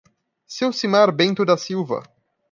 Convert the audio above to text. Ceucimar Bento da Silva